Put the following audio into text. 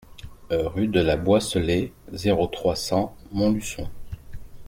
Rue de la Boisselée, zéro trois, cent Montluçon